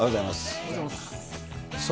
おはようございます。